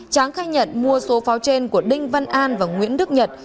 tráng khai nhận mua số pháo trên của đinh văn an và nguyễn đức nhật